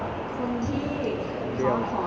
แล้วมันเป็นเรื่องไหนค่ะ